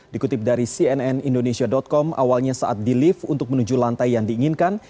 dikutip dari cnn indonesia com awalnya saat di lift untuk menuju lantai yang diinginkan